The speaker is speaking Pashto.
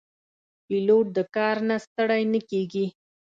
پیلوټ د کار نه ستړی نه کېږي.